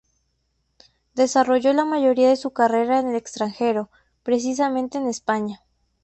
Desarrolló la mayoría de su carrera en el extranjero, precisamente en España.